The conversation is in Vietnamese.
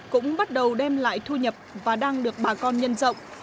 cũng bắt đầu đem lại thu nhập và đang được bà con nhân rộng